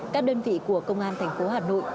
các đơn vị của công an tp hà nội